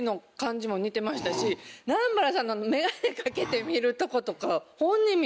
南原さんの眼鏡かけて見るとことか。